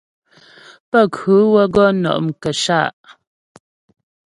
Pənkhʉ wə́ gɔ nɔ' mkəshâ'.